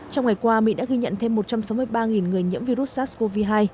trong ngày qua mỹ đã ghi nhận thêm một trăm sáu mươi ba người nhiễm virus sars cov hai